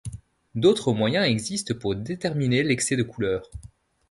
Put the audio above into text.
D'autres moyens existent pour déterminer l'excès de couleur.